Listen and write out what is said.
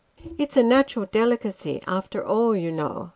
It's a natural delicacy, after all, you know."